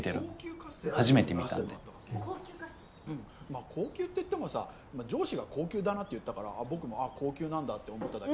まあ高級っていってもさ上司が高級だなって言ったから僕もああ高級なんだって思っただけでさ。